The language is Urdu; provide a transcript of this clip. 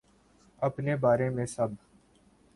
اپنے بارے میں سب